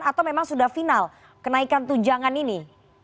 maju terus disahkan kenaikan tujangan ini